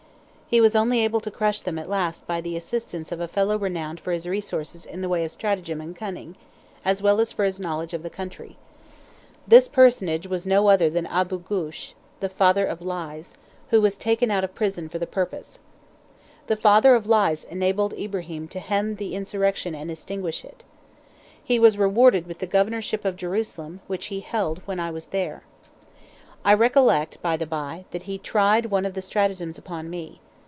He was only able to crush them at last by the assistance of a fellow renowned for his resources in the way of stratagem and cunning, as well as for his knowledge of the country. This personage was no other than Aboo Goosh ("the father of lies" ), who was taken out of prison for the purpose. The "father of lies" enabled Ibrahim to hem in the insurrection and extinguish it. He was rewarded with the Governorship of Jerusalem, which he held when I was there. I recollect, by the bye, that he tried one of his stratagems upon me.